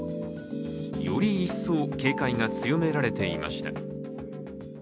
より一層、警戒が強められていました。